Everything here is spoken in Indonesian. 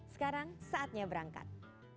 sekarang saatnya berangkat